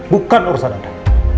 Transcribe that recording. bukan urusan anda